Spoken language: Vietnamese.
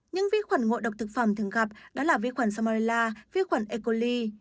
những vi khuẩn ngồi đọc thực phẩm thường gặp đó là vi khuẩn salmonella vi khuẩn e coli